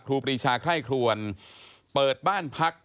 ครูปรีชาคล่ายครวญเปิดบ้านพัก